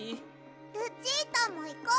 ・ルチータもいこう！